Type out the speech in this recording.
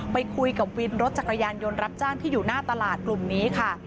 ไปคุยกับวินรถจักรยานยนต์รับจ้างที่อยู่หน้าตลาดกลุ่มนี้ค่ะ